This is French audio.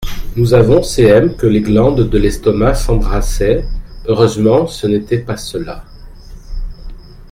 Nous avons cm que les glandes de l'estomac s'embarrassaient ; heureusement ce n'était pas cela.